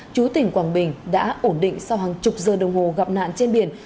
chú tỉnh quảng bình đã ổn định sau hàng chục giờ đồng hồ gặp nạn trên biển